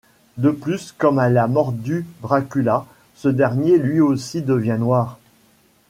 De plus comme elle a mordu Dracula, ce dernier lui aussi devient noir.